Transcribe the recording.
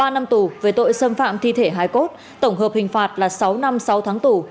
ba năm tù về tội xâm phạm thi thể hải cốt tổng hợp hình phạt là sáu năm sáu tháng tù